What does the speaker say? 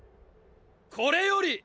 これより！！